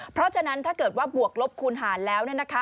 เพราะฉะนั้นถ้าเกิดว่าบวกลบคูณหารแล้ว